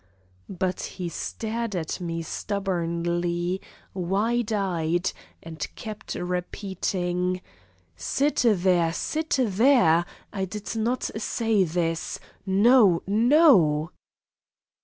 But he stared at me stubbornly, wide eyed, and kept repeating: "Sit there, sit there! I did not say this. No, no!"